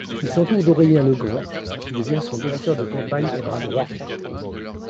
Il s'entoure d'Aurélien Legrand, qui devient son directeur de campagne et bras droit.